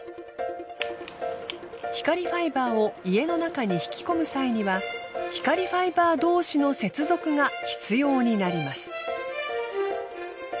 光ファイバーを家の中に引き込む際には光ファイバー同士の接続が必要になります。